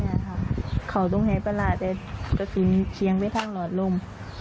ไม่อ่ะค่ะเขาต้องให้ปราร้าแต่กระสุนเฉียงไปทางหลอดลม